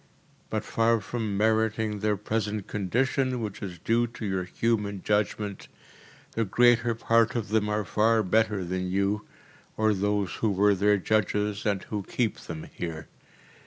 But far from meriting their present condition which is due to your human judgment, the greater part of them are far better than you or those who were their judges and who keep them here.